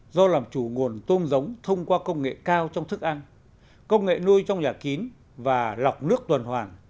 do làm chủ nguồn tôm giống thông qua công nghệ cao trong thức ăn công nghệ nuôi trong nhà kín và lọc nước tuần hoàn